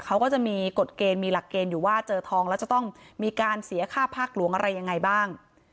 เขาก็จะมีกฎเกณฑ์มีหลักเกณฑ์อยู่ว่าเจอทองแล้วจะต้องมีการเสียค่าภาคหลวงอะไรยังไงบ้าง